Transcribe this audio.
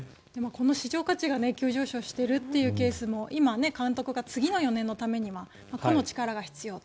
市場価値が急上昇しているケースも今、監督が次の４年のためには個の力が必要と。